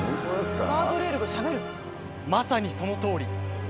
まさにそのとおり。